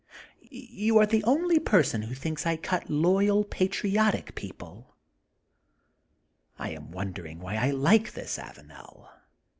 You are the only person who thinks I cut loyal patriotic people. '' I am wondering why I like this Avanel.